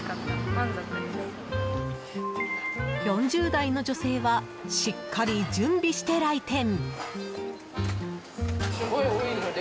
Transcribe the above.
４０代の女性はしっかり準備して来店。